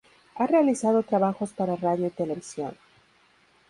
Ha realizado trabajos para radio y televisión.